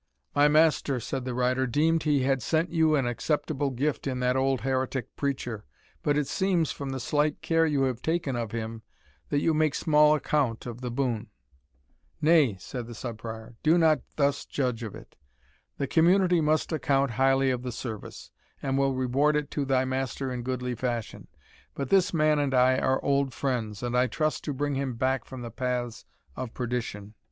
"My master," said the rider, "deemed he had sent you an acceptable gift in that old heretic preacher; but it seems, from the slight care you have taken of him, that you make small account of the boon." "Nay," said the Sub Prior, "do not thus judge of it. The Community must account highly of the service, and will reward it to thy master in goodly fashion. But this man and I are old friends, and I trust to bring him back from the paths of perdition."